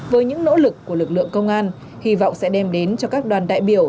với những nỗ lực của lực lượng công an hy vọng sẽ đem đến cho các đoàn đại biểu